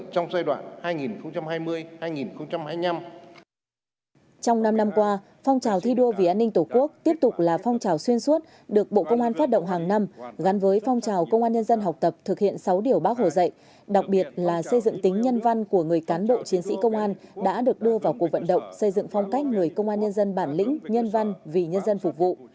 trong năm qua phong trào thi đua vì an ninh tổ quốc tiếp tục là phong trào xuyên suốt được bộ công an phát động hàng năm gắn với phong trào công an nhân dân học tập thực hiện sáu điều bác hồ dạy đặc biệt là xây dựng tính nhân văn của người cán bộ chiến sĩ công an đã được đưa vào cuộc vận động xây dựng phong cách người công an nhân dân bản lĩnh nhân văn vì nhân dân phục vụ